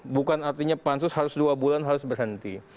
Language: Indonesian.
bukan artinya pansus harus dua bulan harus berhenti